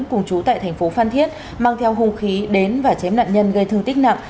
cùng trú tại tp phan thiết mang theo hung khí đến và chém nạn nhân gây thương tích nặng